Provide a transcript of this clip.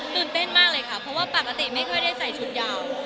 ตื่นเต้นมากเลยค่ะเพราะว่าปกติไม่ค่อยได้ใส่ชุดยาว